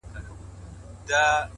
ساده فکر ذهن ته ارامتیا راولي!